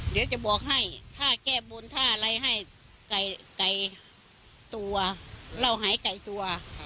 เดี๋ยวจะบอกให้ถ้าแก้บนถ้าอะไรให้ไก่ตัวเราหายไก่ตัว